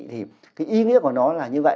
thì cái ý nghĩa của nó là như vậy